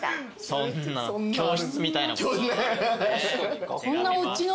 そんな教室みたいなことあるんすね。